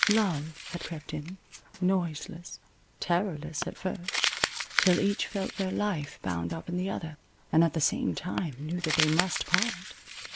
Love had crept in, noiseless, terrorless at first, till each felt their life bound up in the other, and at the same time knew that they must part.